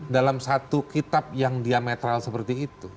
dalam satu kitab yang diametral seperti itu